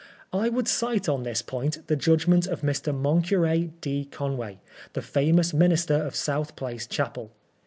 I would cite on this point the judgment of Mr. Moncure D. Conway, the famous minister of South Place Chapel.